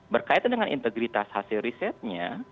berkaitan dengan integritas hasil risetnya